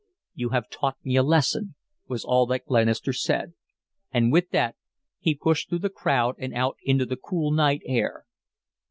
"You have taught me a lesson," was all that Glenister said, and with that he pushed through the crowd and out into the cool night air.